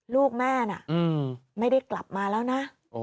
ลูกแม่น่ะไม่ได้กลับมาแล้วนะ